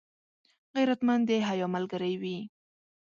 غیرتمند د حیا ملګری وي